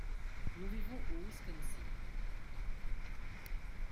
Nous vivons au Wisconsin.